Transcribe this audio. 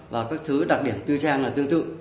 và các thứ đặc điểm tư trang là tương tự